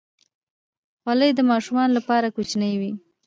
خولۍ د ماشومانو لپاره کوچنۍ وي.